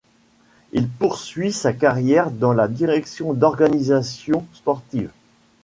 Il poursuit sa carrière dans la direction d'organisations sportives.